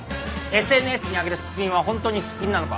ＳＮＳに上げるすっぴんはホントにすっぴんなのか？